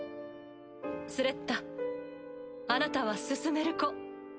スレッタあなたは進める子。